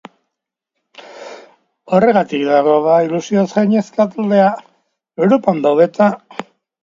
Horregatik dago ilusioz gainezka taldea eta futbolariak ere gozatzen ari dira.